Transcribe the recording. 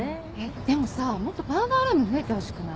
でもさもっとパウダールーム増えてほしくない？